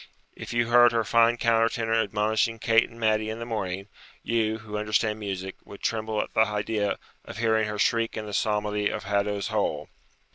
if you heard her fine counter tenor admonishing Kate and Matty in the morning, you, who understand music, would tremble at the idea of hearing her shriek in the psalmody of Haddo's Hole.'